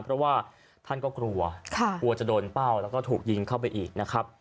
เพราะว่าท่านก็กลัวกลัวจะโดนเป้าแล้วก็ถูกยิงเข้าไปอีกนะครับ